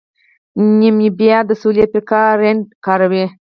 نیمیبیا د سویلي افریقا رینډ کاروي.